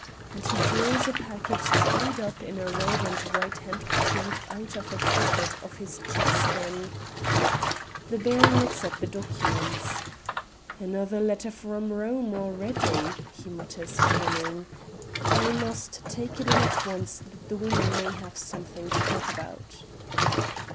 And he draws a packet tied up in a red and white handkerchief out of a pocket in his sheepskin. The baron looks at the documents. "Another letter from Rome already," he mutters, grinning; "I must take it in at once that the women may have something to talk about."